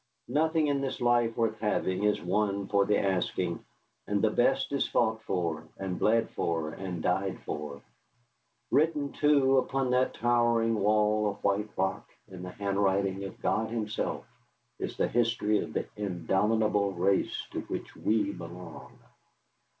Nothing in this life worth having is won for the asking; and the best is fought for, and bled for, and died for. Written, too, upon that towering wall of white rock, in the handwriting of God Himself, is the history of the indomitable Race to which we belong.